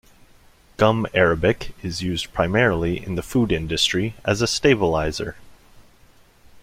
Gum arabic is used primarily in the food industry as a stabilizer.